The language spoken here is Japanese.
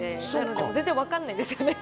全然わかんないんですよね。